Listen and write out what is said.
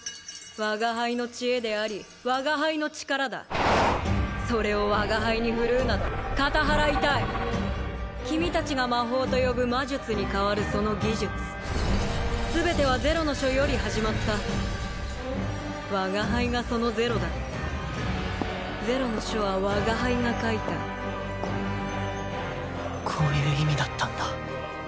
我が輩の知恵であり我が輩の力だそれを我が輩に振るうなど片腹痛い君達が魔法と呼ぶ魔術に代わるその技術全てはゼロの書より始まった我が輩がそのゼロだゼロの書は我が輩が書いたこういう意味だったんだ